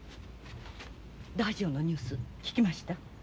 ラジオのニュース聞きました？